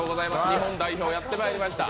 日本代表、やってまいりました。